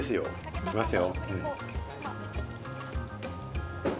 行きますよ。